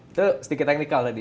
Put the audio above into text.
itu sedikit technical tadi